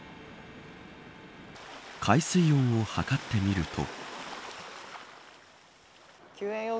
海水温を測ってみると。